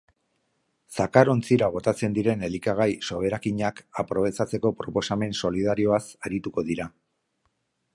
Zakar ontzira botatzen diren elikagai soberakinak aprobetxatzeko proposamen solidarioaz arituko dira.